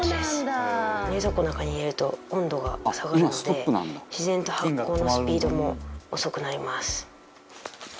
冷蔵庫の中に入れると温度が下がるので自然と発酵のスピードも遅くなります。